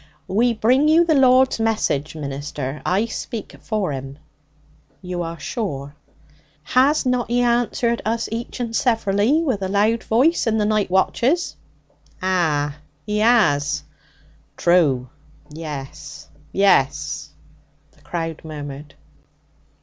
'We bring you the Lord's message, minister. I speak for 'Im.' 'You are sure?' 'Has not He answered us each and severally with a loud voice in the night watches?' 'Ah! He 'as! True! Yes, yes!' the crowd murmured.